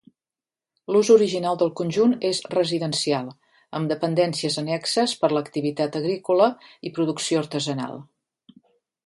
L'ús original del conjunt és residencial amb dependències annexes per l'activitat agrícola i producció artesanal.